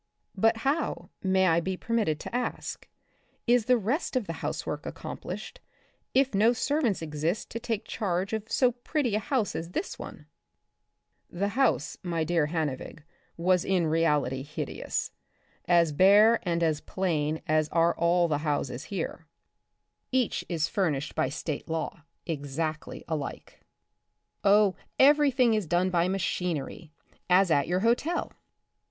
" But how, may I be permitted to ask, is the rest of the housework accomplished, if no ser vants exist to take charge of so pretty a house as this one ?'* (The house, my dear Hannevig, was in reality hideous, as bare and as plain as are all the houses here. Each is furnished by state law, exactly alike). Oh, every thing is done by machinery, as at your hotel.